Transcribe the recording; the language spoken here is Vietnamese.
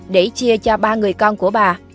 để chia cho ba người con của bà